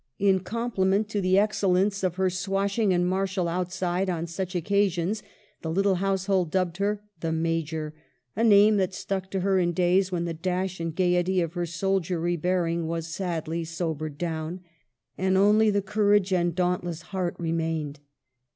In compliment to the excellence of her swashing and martial outside on such occasions, the little household dubbed her " The Major," a name that stuck to her in days when the dash and gayety of her soldiery bearing was sadly sobered down, and only the courage and dauntless heart remained.